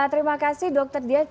terima kasih dokter dia